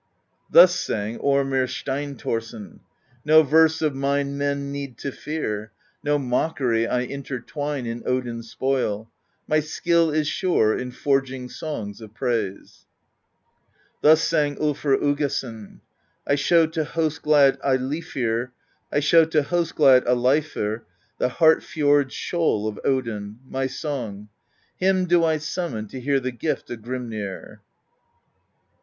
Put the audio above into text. Thus sang Ormr Steinthorsson : No verse of mine men need to fear, No mockery I intertwine In Odin's Spoil; my skill is sure In forging songs of praise. Thus sang Ulfr Uggason: I show to host glad Aleifr The Heart Fjord's Shoal of Odin, — My song: him do I summon To hear the Gift of Grimnir.